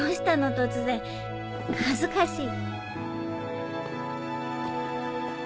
突然恥ずかしい。